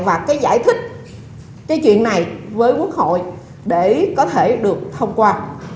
và giải thích chuyện này với quốc hội để có thể được thông qua